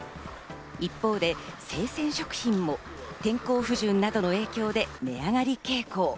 一方で生鮮食品も天候不順などの影響で値上がり傾向。